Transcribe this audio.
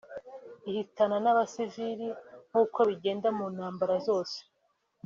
ihitana n’abasivili nk’uko bigenda mu ntambara zose